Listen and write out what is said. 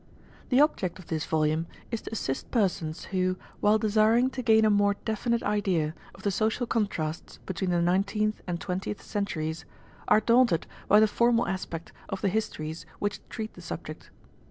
The object of this volume is to assist persons who, while desiring to gain a more definite idea of the social contrasts between the nineteenth and twentieth centuries, are daunted by the formal aspect of the histories which treat the subject.